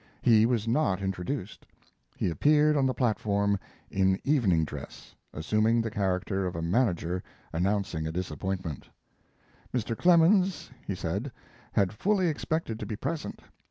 He was not introduced. He appeared on the platform in evening dress, assuming the character of a manager announcing a disappointment. Mr. Clemens, he said, had fully expected to be present.